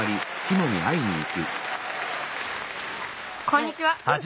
こんにちは。